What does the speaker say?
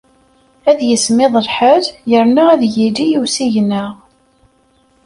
Ad yismiḍ lḥal yerna ad yili usigna.